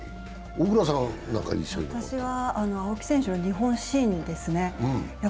私は青木選手の日本新ですね。